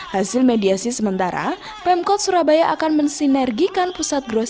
hasil mediasi sementara pemkot surabaya akan mensinergikan pusat grosis